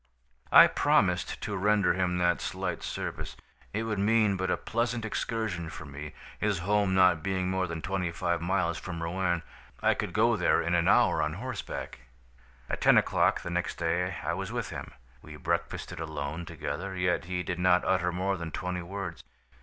"I promised to render him that slight service. It would mean but a pleasant excursion for me, his home not being more than twenty five miles from Rouen. I could go there in an hour on horseback. "At ten o'clock the next day I was with him. We breakfasted alone together, yet he did not utter more than twenty words.